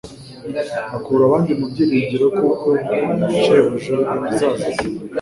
Akura abandi mu byiringiro by'uko shebuja azaza vuba.